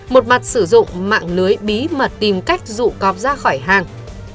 một mặt sử dụng mạng lưới bí mật tìm cách rụ còp ra khỏi hàng